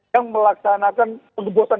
yang melaksanakan pengebuatan